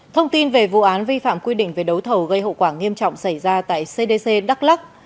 thông tin về vụ án vi phạm quy định về đấu thầu gây hậu quả nghiêm trọng xảy ra tại cdc đắk lắc